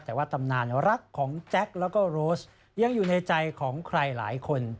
แต่ว่าตำนานรักของแจ็คแล้วก็โรสยังอยู่ในใจของใครหลายคน